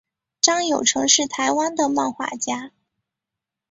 张友诚是台湾的漫画家。